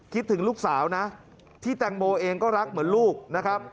ถึงลูกสาวนะที่แตงโมเองก็รักเหมือนลูกนะครับ